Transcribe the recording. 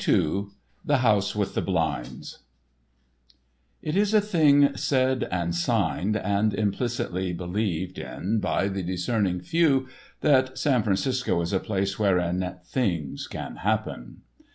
*The House With the Blinds* It is a thing said and signed and implicitly believed in by the discerning few that San Francisco is a place wherein Things can happen.